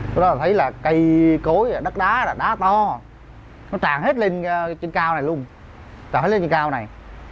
cái đó là cây cối đất đá đá to nó tràn hết lên trên cao này luôn tràn hết lên trên cao này